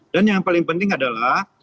dan yang paling penting adalah